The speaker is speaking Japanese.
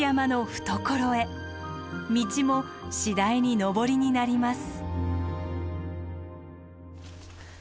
道も次第に登りになります。